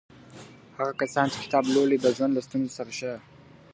هغه کسان چي کتاب لولي د ژوند له ستونزو سره ښه